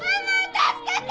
助けて！